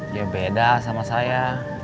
dia beda sama saya